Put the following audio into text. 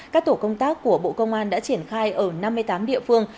các tổ công tác của bộ công an đã triển khai ở năm mươi tám địa phương